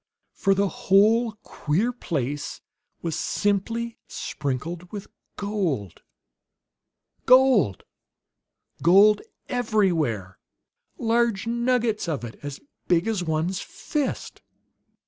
For the whole queer place was simply sprinkled with gold. Gold gold everywhere; large nuggets of it, as big as one's fist!